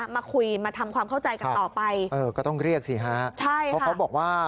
มาคุยมาทำความเข้าใจกันต่อไปเออก็ต้องเรียกสิฮะใช่เพราะเขาบอกว่า